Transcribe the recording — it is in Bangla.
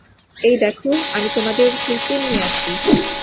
এই দেখো, আমি তোমাদের সেই তেমনি আছি।